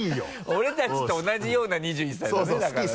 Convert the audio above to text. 俺たちと同じような２１歳だねだからね。